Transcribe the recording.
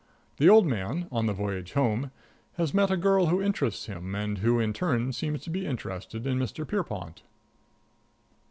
|| The old man, on the || voyage home, has met a || girl who interests him || and who in turn seems to || be interested in Mr. || Pierrepont.